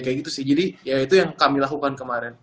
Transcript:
kayak gitu sih jadi ya itu yang kami lakukan kemarin